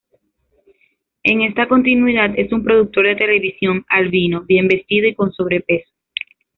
En esta continuidad es un productor de televisión albino, bien vestido y con sobrepeso.